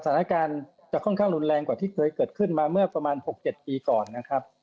สถานการณ์จะค่อนข้างรุนแรงกว่าที่เคยเกิดขึ้นมาเมื่อประมาณ๖๗ปีก่อนนะครับ